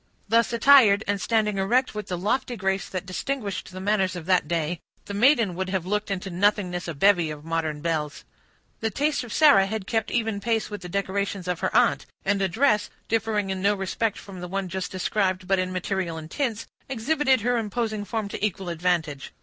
Thus attired, and standing erect with the lofty grace that distinguished the manners of that day, the maiden would have looked into nothingness a bevy of modern belles. The taste of Sarah had kept even pace with the decorations of her aunt; and a dress, differing in no respect from the one just described, but in material and tints, exhibited her imposing form to equal advantage.